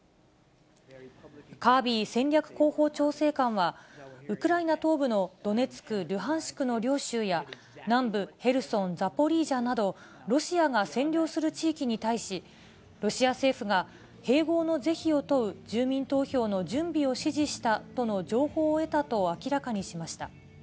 カービー戦略広報調整官は、ウクライナ東部のドネツク、ルハンシクの両州や、南部ヘルソン、ザポリージャなど、ロシアが占領する地域に対し、ロシア政府が併合の是非を問う住民投票の準備を指示したとの情報を得たと明らかにしました。